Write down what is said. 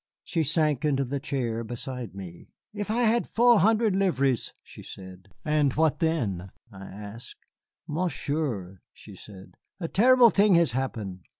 She sank into the chair beside me. "If I had four hundred livres," she said, "if I had four hundred livres!" "And what then?" I asked. "Monsieur," she said, "a terrible thing has happened.